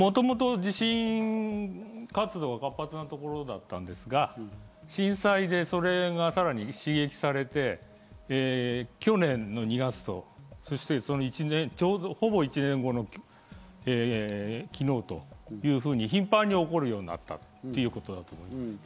もともと地震活動が活発なところだったんですが、震災でそれがさらに刺激されて、去年の２月とちょうどほぼ１年後の昨日というふうに頻繁に起こるようになったということだと思います。